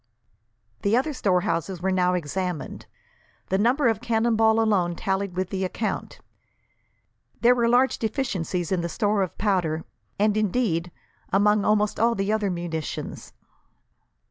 The other storehouses were now examined. The number of cannonball alone tallied with the account. There were large deficiencies in the store of powder, and, indeed, among almost all the other munitions.